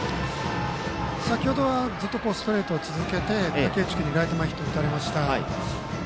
先ほどはずっとストレートを続けて竹内君にライト前ヒットを打たれました。